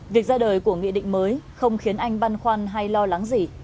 việc ra đời của nghị định mới không khiến anh băn khoăn hay lo lắng gì